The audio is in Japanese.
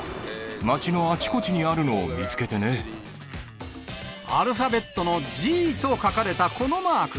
街のあちこちにあるのを見つけてアルファベットのＧと書かれたこのマーク。